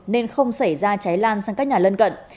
nên không xảy ra cháy lan sang các nhà lân cận